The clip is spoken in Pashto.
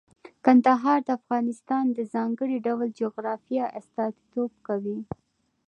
کندهار د افغانستان د ځانګړي ډول جغرافیه استازیتوب کوي.